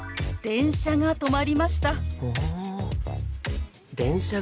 電車が止まりました。